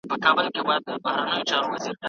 مرغۍ لا هم د ونې له یوې څانګې بلې ته ټوپونه وهل.